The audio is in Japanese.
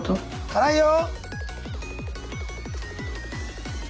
辛いよ！